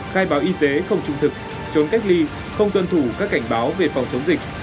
khai báo y tế không trung thực trốn cách ly không tuân thủ các cảnh báo về phòng chống dịch